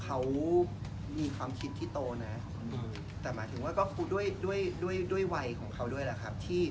เขามีความคิดที่โตนะแต่หมายถึงว่าก็คือด้วยด้วยวัยของเขาด้วยแหละครับที่